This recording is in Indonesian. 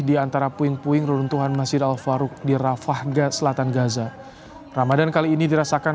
diantara puing puing runtuhan masjid al farouq di rafah selatan gaza ramadhan kali ini dirasakan